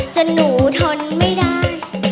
หนูทนไม่ได้